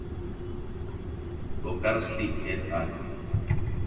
Bocarsly"et al.